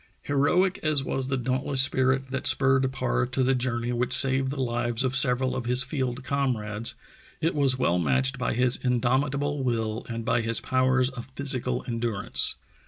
Heroic as was the dauntless spirit that spurred Parr to the journey which saved the lives of several of his field comrades, it was well matched by his indomitable will and by his powers of physical endurance.